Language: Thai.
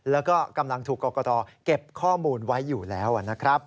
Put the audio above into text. แล้วก็กำลังถูกกรกตเก็บข้อมูลไว้อยู่แล้วนะครับ